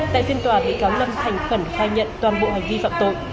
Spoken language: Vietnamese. tại phiên tòa bị cáo lâm thành khẩn khai nhận toàn bộ hành vi phạm tội